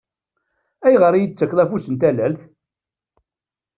Ayɣer i iyi-d-tettakkeḍ afus n talalt?